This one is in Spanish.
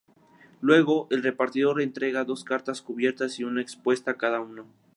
Luego, el repartidor entrega dos cartas cubiertas y una expuesta a cada uno.